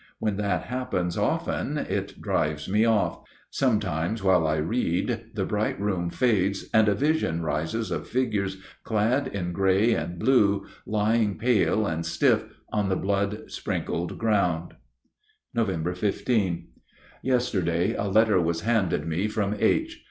When that happens often it drives me off. Sometimes while I read the bright room fades and a vision rises of figures clad in gray and blue lying pale and stiff on the blood sprinkled ground. Nov. 15. Yesterday a letter was handed me from H.